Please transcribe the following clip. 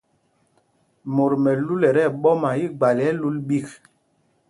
Mot mɛlu ɛ tí ɛɓɔma igbal ɛ lul ɓîk.